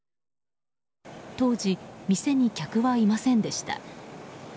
当時、店に客はいませんでした。